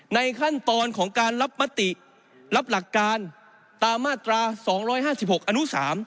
ในขั้นตอนของการรับมติรับหลักการตามมาตรา๒๕๖อนุ๓